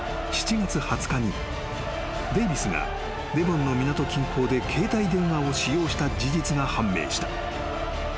７月２０日にデイヴィスがデヴォンの港近郊で携帯電話を使用した事実が判明した］